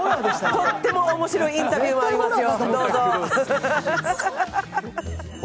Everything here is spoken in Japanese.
とっても面白いインタビューもありますよ。